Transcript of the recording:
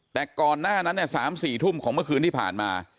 แต่ก่อนหน้านั้น๓๔ทุ่มของเมื่อคืนที่ผ่านมา